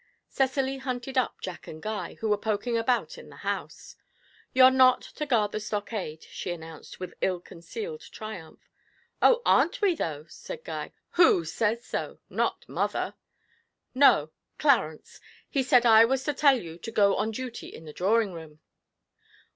Cecily hunted up Jack and Guy, who were poking about in the house. 'You're not to guard the stockade,' she announced, with ill concealed triumph. 'Oh, aren't we, though?' said Guy; 'who says so? Not mother!' 'No Clarence; he said I was to tell you to go on duty in the drawing room.'